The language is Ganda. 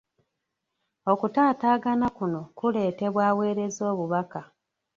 Okutaataagana kuno kuleetebwa aweereza obubaka.